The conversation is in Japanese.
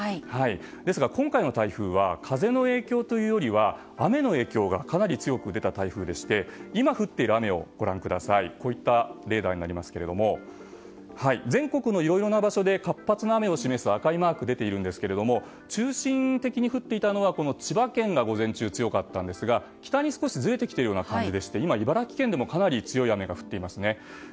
ですが今回の台風は風の影響というよりは雨の影響がかなり強く出た台風でして降っている雨はこういうレーダーになりますが全国のいろいろな場所で活発な雨雲を示す赤いマークが出ているんですが中心的に降っていたのは千葉県が午前中は強かったんですが北に少しずれてきている感じでして今は茨城県でもかなり強い雨が降っていますね。